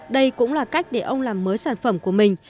đây cũng là cách để ông làm mới sản phẩm của mình